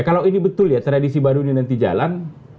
kalau ini betul ya tradisi baru ini nanti jalan